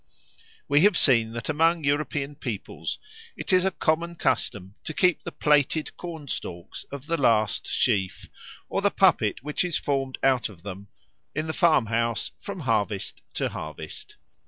We have seen that among European peoples it is a common custom to keep the plaited corn stalks of the last sheaf, or the puppet which is formed out of them, in the farm house from harvest to harvest.